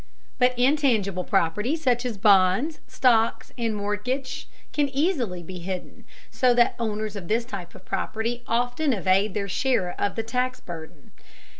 But intangible property, such as bonds, stocks, or mortgage, can easily be hidden, so that owners of this type of property often evade their share of the tax burden.